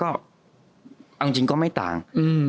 เอาจริงก็ไม่ต่าง